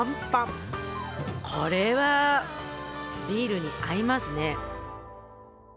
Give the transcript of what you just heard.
これはビールに合いますね。